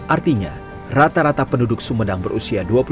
artinya rata rata penduduk sumedang berusia dua puluh lima tahun ke atas